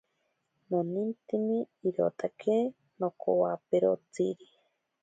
Nonintemi irotaki nokowaperotsiri.